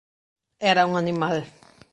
era un animal